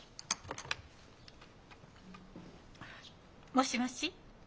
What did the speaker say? ☎もしもし。